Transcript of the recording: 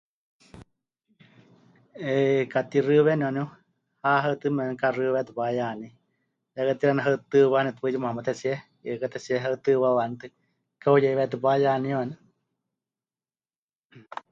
'Eh, pɨkatixɨweni waníu, ha haɨtɨme waníu kaxɨwétɨ payaní, ya katixaɨ heutɨɨwanitɨ paɨ yumamátetsie, yu'ɨkátetsie heutɨwawanitɨ, ka'uyeiweétɨ payaní waníu.